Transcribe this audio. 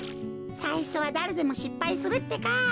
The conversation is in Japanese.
さいしょはだれでもしっぱいするってか。